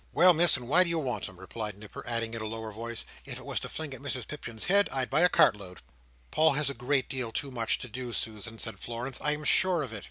"Well, Miss, and why do you want 'em?" replied Nipper; adding, in a lower voice, "If it was to fling at Mrs Pipchin's head, I'd buy a cart load." "Paul has a great deal too much to do, Susan," said Florence, "I am sure of it."